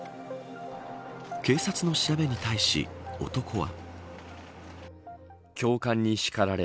警察の調べに対し、男は。